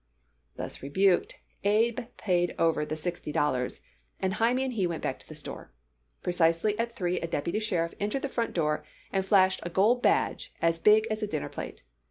Thus rebuked, Abe paid over the sixty dollars, and Hymie and he went back to the store. Precisely at three a deputy sheriff entered the front door and flashed a gold badge as big as a dinner plate.